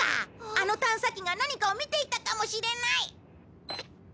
あの探査機が何かを見ていたかもしれない！